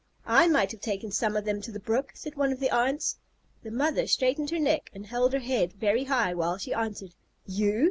"I might have taken some of them to the brook," said one of the aunts. The mother straightened her neck and held her head very high, while she answered, "You?